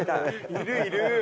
いるいる。